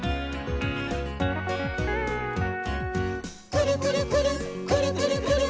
「くるくるくるっくるくるくるっ」